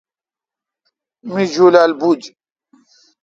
می جولال بوُجھ۔